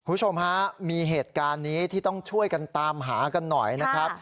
คุณผู้ชมฮะมีเหตุการณ์นี้ที่ต้องช่วยกันตามหากันหน่อยนะครับ